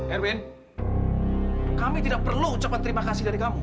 erwin kami tidak perlu ucapan terima kasih dari kamu